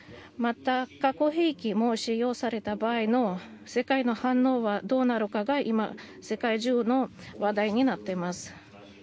また核兵器も使用された場合の世界の反応はどうなるかが今、世界中の話題になっています。